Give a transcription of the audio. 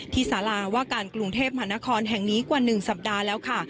สาราว่าการกรุงเทพมหานครแห่งนี้กว่า๑สัปดาห์แล้วค่ะ